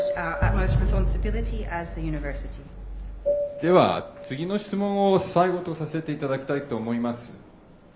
では次の質問を最後とさせていただきたいと思います。